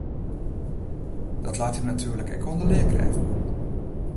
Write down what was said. Dat leit him natuerlik ek oan de learkrêften.